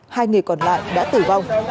hai người còn lại đã tử vong